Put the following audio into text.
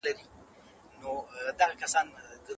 د ناحقه مالونو پایله سخته وي.